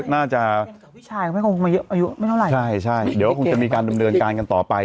น่าจะกับผู้ชายก็ไม่คงมาเยอะอายุไม่เท่าไหร่ใช่ใช่เดี๋ยวคงจะมีการดำเนินการกันต่อไป